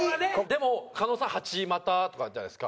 でも狩野さん８股とかじゃないですか。